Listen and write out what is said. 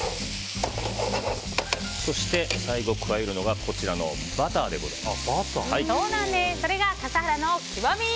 そして、最後加えるのがバターでございます。